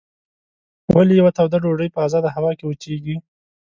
ولې یوه توده ډوډۍ په ازاده هوا کې وچیږي؟